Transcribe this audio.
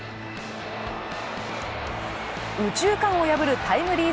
右中間を破るタイムリー